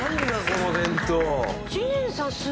この弁当。